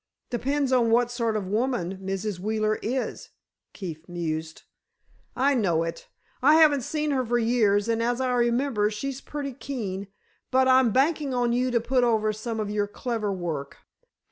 "Depends on what sort of woman Mrs. Wheeler is," Keefe mused. "I know it. I haven't seen her for years, and as I remember, she's pretty keen, but I'm banking on you to put over some of your clever work.